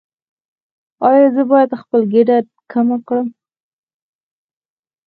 ایا زه باید خپل ګیډه کمه کړم؟